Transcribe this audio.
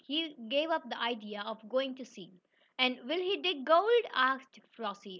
He gave up the idea of going to sea." "And will he dig gold?" asked Flossie.